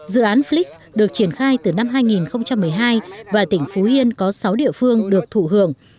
dự án fix được triển khai từ năm hai nghìn một mươi hai và tỉnh phú yên có sáu địa phương được thụ hưởng